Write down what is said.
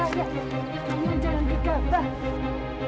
jangan jalan gegah dah